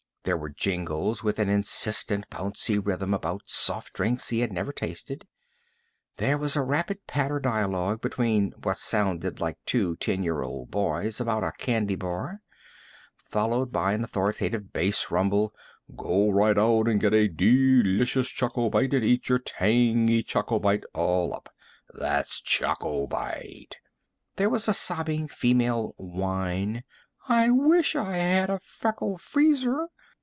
There were jingles with an insistent, bouncy rhythm, about soft drinks he had never tasted. There was a rapid patter dialogue between what sounded like two ten year old boys about a candy bar, followed by an authoritative bass rumble: "Go right out and get a DELICIOUS Choco Bite and eat your TANGY Choco Bite all up. That's Choco Bite!" There was a sobbing female whine: "I wish I had a Feckle Freezer!